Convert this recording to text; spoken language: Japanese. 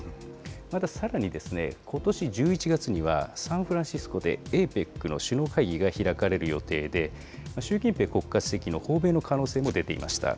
またさらに、ことし１１月には、サンフランシスコでＡＰＥＣの首脳会議が開かれる予定で、習近平国家主席の訪米の可能性も出ていました。